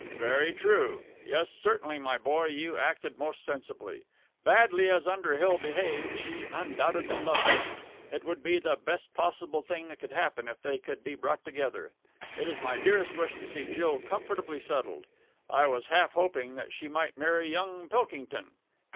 "Very true. Yes, certainly, my boy, you acted most sensibly. Badly as Underhill behaved, she undoubtedly loved him. It would be the best possible thing that could happen if they could be brought together. It is my dearest wish to see Jill comfortably settled. I was half hoping that she might marry young Pilkington."